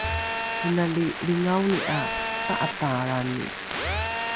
inali lringaoni ’a pa’apaalrani